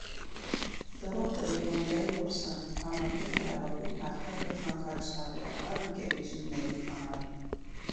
Տորոնտոյի ֆոնդային բորսան համարվում է լավագույն հարթակը հանքարդյունաբերական ընկերությունների համար։